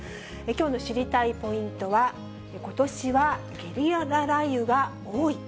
きょうの知りたいポイントは、ことしはゲリラ雷雨が多い。